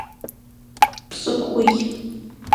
Пшӏыкӏуи.